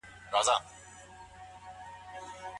د لاس لیکنه د ذهني نقشو د جوړولو لپاره اړینه ده.